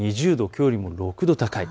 きょうよりも６度高い。